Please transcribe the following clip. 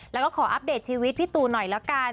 แล้วก็ขออัปเดตชีวิตพี่ตูนหน่อยละกัน